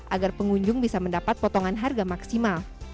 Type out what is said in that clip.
agar pengunjung bisa mendapat potongan harga maksimal